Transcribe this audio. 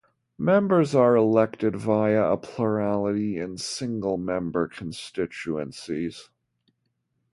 Members are elected via a plurality in single-member constituencies.